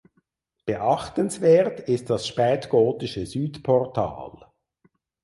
Beachtenswert ist das spätgotische Südportal.